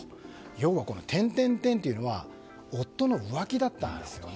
要はというのは夫の浮気だったんです。